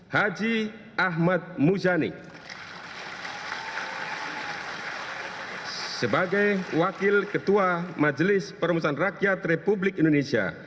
haji ahmad muzani sebagai wakil ketua majelis permusuhan rakyat republik indonesia